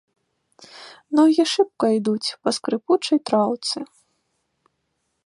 Ногі шыбка ідуць па скрыпучай траўцы.